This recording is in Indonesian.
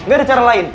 gak ada cara lain